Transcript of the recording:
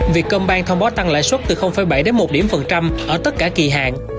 việt công banh thông báo tăng lãi suất từ bảy đến một điểm phần trăm ở tất cả kỳ hạn